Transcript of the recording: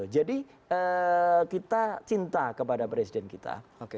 jadi kita cinta kepada presiden kita